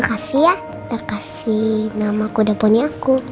makasih ya udah kasih nama kuda poni aku